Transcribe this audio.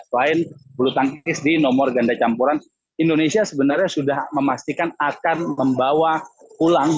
selain bulu tangkis di nomor ganda campuran indonesia sebenarnya sudah memastikan akan membawa pulang